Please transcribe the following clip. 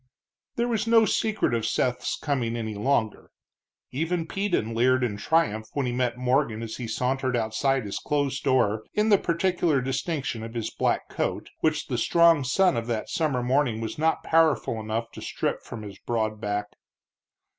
There was no secret of Seth's coming any longer. Even Peden leered in triumph when he met Morgan as he sauntered outside his closed door in the peculiar distinction of his black coat, which the strong sun of that summer morning was not powerful enough to strip from his broad back.